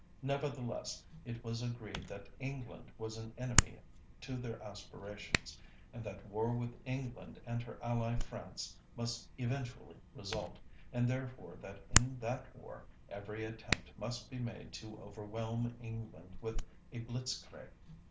Nevertheless, it was agreed that England was an enemy to their aspirations, and that war with England and her ally France must eventually result, and therefore that in that war every attempt must be made to overwhelm England with a "Blitzkrieg".